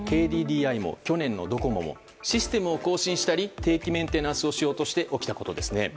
ＫＤＤＩも去年のドコモもシステムを更新したり定期メンテナンスをして起きたことですね。